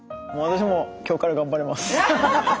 私も今日から頑張ります。